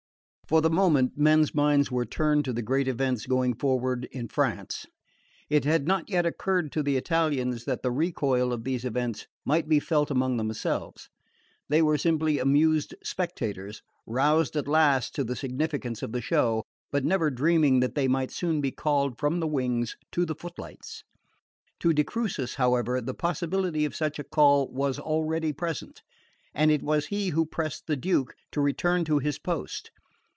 For the moment men's minds were turned to the great events going forward in France. It had not yet occurred to the Italians that the recoil of these events might be felt among themselves. They were simply amused spectators, roused at last to the significance of the show, but never dreaming that they might soon be called from the wings to the footlights. To de Crucis, however, the possibility of such a call was already present, and it was he who pressed the Duke to return to his post.